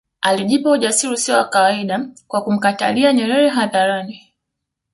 Alijipa ujasiri usio wa kawaida kwa kumkatalia Nyerere hadharani